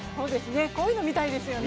こういうの見たいですよね。